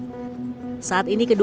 saat ini kejadian truk berlalu